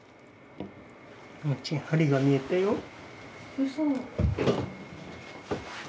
うそ。